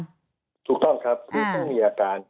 ถูกต้องครับคือต้องมีอาการ